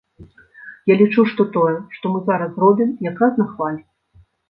Я лічу, што тое, што мы зараз робім, як раз на хвалі.